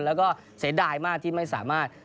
แล้วก็เสียดายมากที่ไม่สามารถ